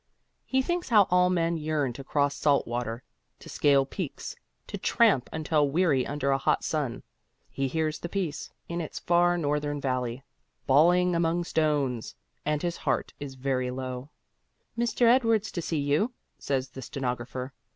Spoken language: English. He thinks how all men yearn to cross salt water, to scale peaks, to tramp until weary under a hot sun. He hears the Peace, in its far northern valley, brawling among stones, and his heart is very low. "Mr. Edwards to see you," says the stenographer.